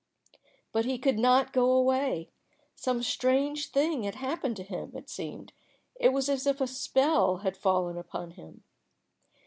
But he could not go away. Some strange thing had happened to him, it seemed; it was as if a spell had fallen upon him.